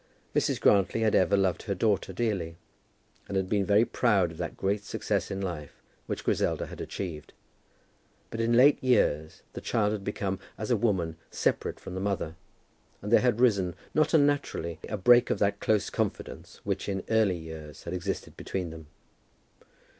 Mrs. Grantly had ever loved her daughter dearly, and had been very proud of that great success in life which Griselda had achieved; but in late years, the child had become, as a woman, separate from the mother, and there had arisen, not unnaturally, a break of that close confidence which in early years had existed between them.